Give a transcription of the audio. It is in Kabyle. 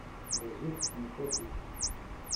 Ɣezzifet tmeṭṭut-nnek?